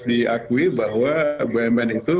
diakui bahwa bumn itu